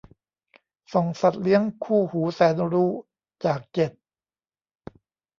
ส่องสัตว์เลี้ยงคู่หูแสนรู้ จาก เจ็ด